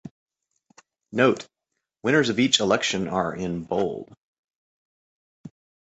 "Note: Winners of each election are in" bold.